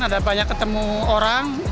ada banyak ketemu orang